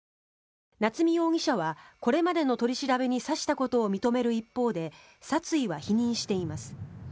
夏見容疑者はこれまでの取り調べに刺したことを認める一方で殺意は否認しています。